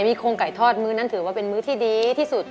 มีโครงไก่ทอดมื้อนั้นถือว่าเป็นมื้อที่ดีที่สุด